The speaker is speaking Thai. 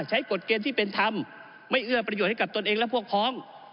กฎเกณฑ์ที่เป็นธรรมไม่เอื้อประโยชน์ให้กับตนเองและพวกพ้อง